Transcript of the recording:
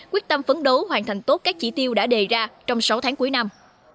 quyết tâm phấn đấu hoàn thành tốt các chỉ tiêu đã đề ra trong sáu tháng cuối năm